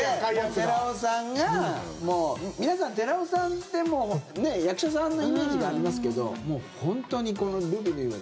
寺尾さんがもう皆さん、寺尾さんってもう役者さんのイメージがありますけど本当に「ルビーの指環」